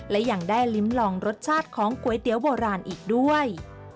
และยังได้ลิ้มลองรสชาติของก๋วยเตี๋ยวโบราณอีกด้วย